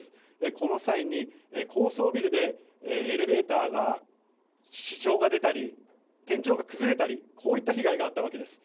この際に高層ビルでエレベーターに支障が出たり天井が崩れたり、こういった被害があったわけです。